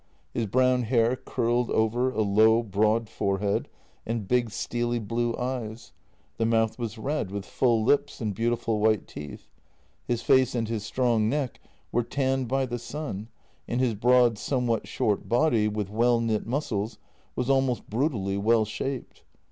His brown hair curled over a low, broad forehead and big steely blue eyes; the mouth was red, with full lips and beautiful white teeth. His face and his strong neck were tanned by the sun, and his broad, somewhat short body with well knit muscles was almost brutally well shaped.